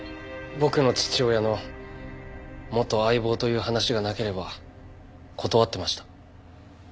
僕の父親の元相棒という話がなければ断ってました。